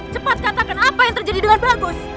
cepat katakan apa yang terjadi dengan bagus